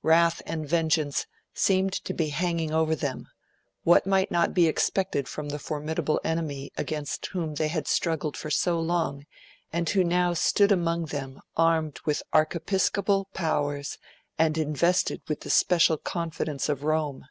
Wrath and vengeance seemed to be hanging over them; what might not be expected from the formidable enemy against whom they had struggled for so long, and who now stood among them armed with archiepiscopal powers and invested with the special confidence of Rome?